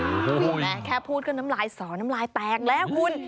แค่พูดก็น้ำลายสอน้ำลายแตกแล้วคุณ